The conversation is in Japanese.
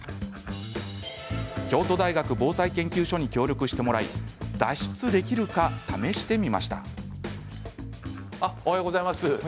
京都大学防災研究所に協力してもらい脱出できるか試してみました。